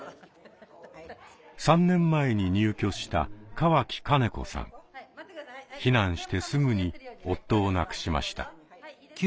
３年前に入居した避難してすぐに夫を亡くしました。